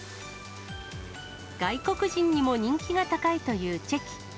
外国人にも人気が高いというチェキ。